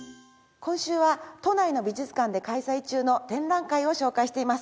今週は都内の美術館で開催中の展覧会を紹介しています。